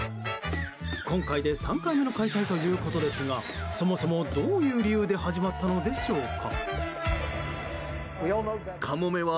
今回で３回目の開催ということですがそもそもどういう理由で始まったのでしょうか。